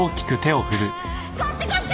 こっちこっち！